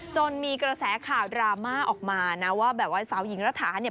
จนมีกระแสข่าวดราม่าออกมานะว่าแบบว่าสาวหญิงรัฐาเนี่ย